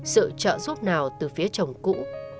sự trợ giúp nào từ phía chồng cũ